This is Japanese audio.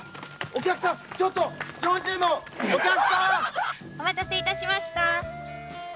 お待たせしました。